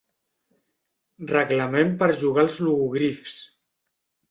Reglament per jugar als logogrifs.